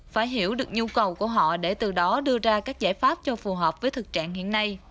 phải hiểu được nhu cầu của họ để từ đó đưa ra các giải pháp cho phù hợp với thực trạng hiện nay